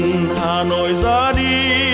tạm biệt hà nội ra đi